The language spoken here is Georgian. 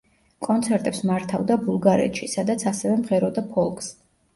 კონცერტებს მართავდა ბულგარეთში, სადაც ასევე მღეროდა ფოლკს.